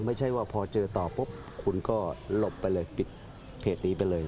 ไม่ใช่ว่าพอเจอต่อปุ๊บคุณก็หลบไปเลยปิดเพจนี้ไปเลย